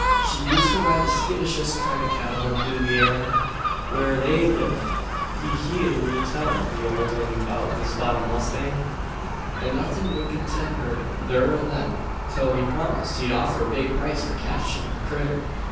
She used to ride the skittishest kind o' cattle in Loozeyanner, whar they lived. She heern me tellin' the old 'un 'bout the spotted mustang; and nothin' would content her thur and then, till he promised he'd offer a big price for catchin' the critter.